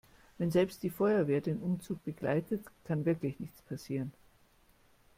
Wenn selbst die Feuerwehr den Umzug begleitet, kann wirklich nichts passieren.